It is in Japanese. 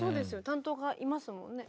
担当がいますもんね。